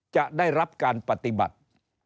จะได้รับการปฏิบัติ